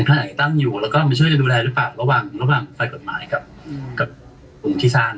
ทางไหนตั้งอยู่แล้วก็มาช่วยดูแลหรือเปล่าระหว่างฝ่ายกฎหมายกับกลุ่มที่สร้าง